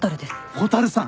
蛍さん。